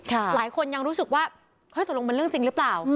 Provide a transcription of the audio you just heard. หลายคนยังรู้สึกว่าเฮ้ยตกลงมันเรื่องจริงหรือเปล่า